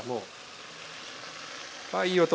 わあいい音。